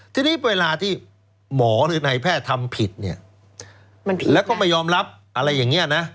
ทีนี้เวลาที่หมอหรือนายแพทย์ทำผิดเนี่ยแล้วก็ไม่ยอมรับอะไรอย่างนี้นะ